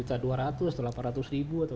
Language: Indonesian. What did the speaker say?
atau berapa per rumah yang empat ratus lima puluh